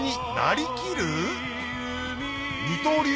二刀流！